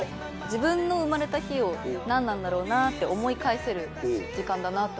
自分の生まれた日をなんなんだろうな？って思い返せる時間だなって思いました。